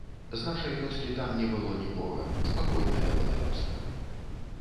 З нашай вёскі там не было нікога, спакойная была вёска.